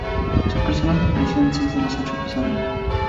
Su personaje apareció en seis de los ocho episodios.